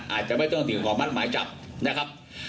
อาจจะไม่ต้องถึงกฎหมายจับนะครับ